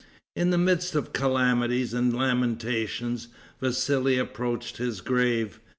In the midst of calamities and lamentations, Vassali approached his grave.